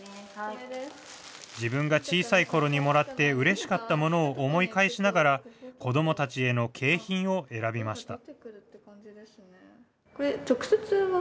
自分が小さいころにもらってうれしかったものを思い返しながら、子どもたちへの景品を選びました。